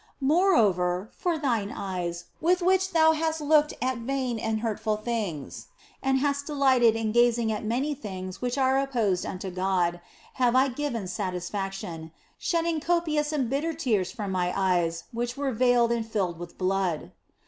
" Moreover, for thine eyes, with which thou hast looked at vain and hurtful things and hast delighted in gazing at many things which were opposed unto God, have I given satisfaction, shedding copious and bitter tears from My eyes which were veiled and filled with blood.